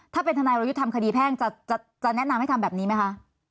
ถ้าเป็นทนายวรยุทธ์ทำคดีแพ่งจะแนะนำให้ทำแบบนี้ไหมคะ